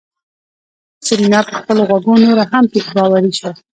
سېرېنا په خپلو غوږو نوره هم باوري شوه.